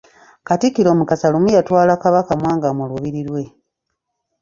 Katikkiro Mukasa lumu yatwala Kabaka Mwanga mu lubiri lwe.